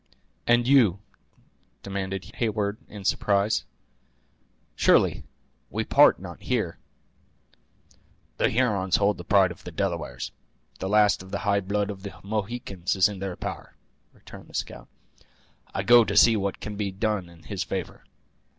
"And you!" demanded Heyward, in surprise; "surely we part not here?" "The Hurons hold the pride of the Delawares; the last of the high blood of the Mohicans is in their power," returned the scout; "I go to see what can be done in his favor.